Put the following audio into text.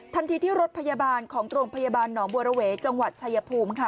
ที่รถพยาบาลของโรงพยาบาลหนองบัวระเวจังหวัดชายภูมิค่ะ